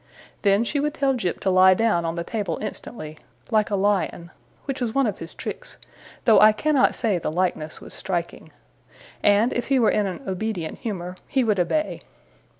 Then she would tell Jip to lie down on the table instantly, 'like a lion' which was one of his tricks, though I cannot say the likeness was striking and, if he were in an obedient humour, he would obey.